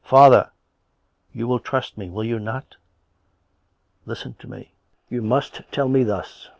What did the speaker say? Father, you will trust me, will you not? "" Listen to me. You must tell me this.